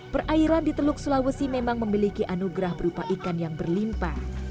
perairan di teluk sulawesi memang memiliki anugerah berupa ikan yang berlimpa